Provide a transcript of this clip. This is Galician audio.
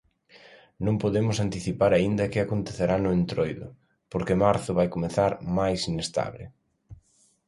Non podemos anticipar aínda que acontecerá no Entroido, porque marzo vai comezar máis inestable.